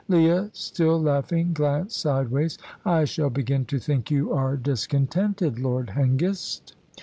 Leah, still laughing, glanced sideways. "I shall begin to think you are discontented, Lord Hengist."